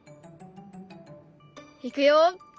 いくよ。